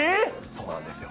そうなんですよ。